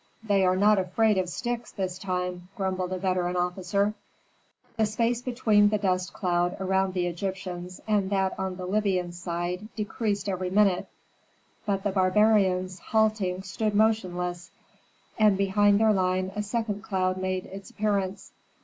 "They are not afraid of sticks this time," grumbled a veteran officer. The space between the dust cloud around the Egyptians and that on the Libyan side decreased every minute, but the barbarians, halting, stood motionless, and behind their line a second cloud made its appearance.